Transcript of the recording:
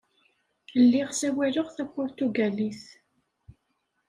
Lliɣ ssawaleɣ tapuṛtugalit.